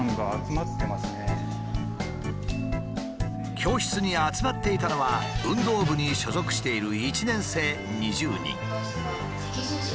教室に集まっていたのは運動部に所属している１年生２０人。